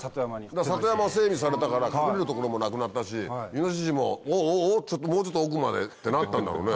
里山整備されたから隠れる所もなくなったしイノシシも「おぉおぉおぉもうちょっと奥まで」ってなったんだもんね。